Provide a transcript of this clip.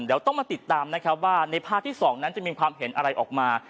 เดี๋ยวต้องมาติดตามนะครับว่าในภาคที่๒นั้นจะมีความเห็นอะไรออกมา